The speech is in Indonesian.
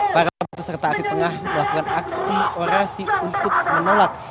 para peserta aksi tengah melakukan aksi orasi untuk menolak